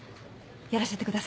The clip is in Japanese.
やらせてください。